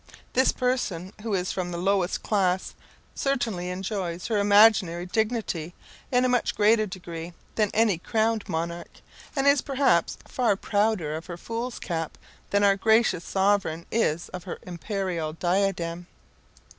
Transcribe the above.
This person, who is from the lowest class, certainly enjoys her imaginary dignity in a much greater degree than any crowned monarch, and is perhaps far prouder of her fool's cap than our gracious sovereign is of her imperial diadem.